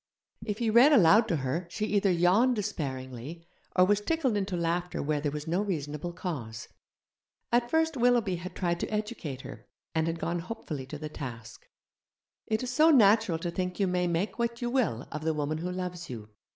If he read aloud to her she either yawned despairingly, or was tickled into laughter where there was no reasonable cause. At first Willoughby had tried to educate her, and had gone hopefully to the task. It is so natural to think you may make what you will of the woman who loves you.